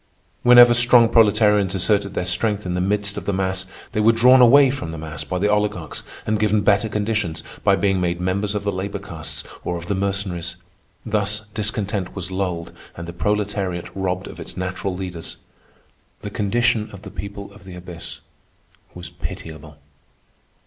Whenever strong proletarians asserted their strength in the midst of the mass, they were drawn away from the mass by the oligarchs and given better conditions by being made members of the labor castes or of the Mercenaries. Thus discontent was lulled and the proletariat robbed of its natural leaders. The condition of the people of the abyss was pitiable.